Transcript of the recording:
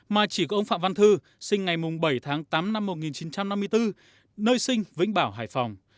mà chỉ có ông phạm văn thư sinh ngày bảy tháng tám năm một nghìn chín trăm năm mươi bốn nơi sinh vĩnh bảo hải phòng